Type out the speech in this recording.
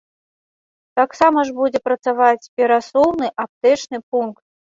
Тамсама ж будзе працаваць перасоўны аптэчны пункт.